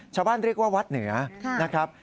ชาวบ้านเรียกว่าวัดเหนือนะครับ